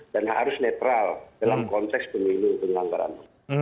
dan harus netral dalam konteks pemilu penyelamaran